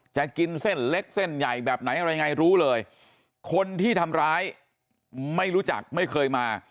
จะกินเส้นเล็กเส้นใหญ่แบบไหนอะไรยังไงรู้เลยคนที่ทำร้ายไม่รู้จักไม่เคยมา